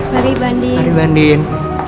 mari mbak andin